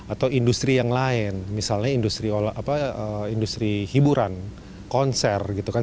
atau industri yang lain misalnya industri hiburan konser gitu kan